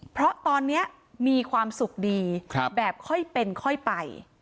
เพราะตอนนี้มีความสุขดีแบบค่อยเป็นค่อยไป